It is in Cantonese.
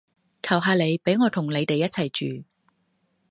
求下你畀我同你哋一齊住